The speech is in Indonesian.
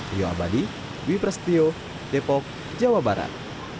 rio abadi wipres tio depok jawa barat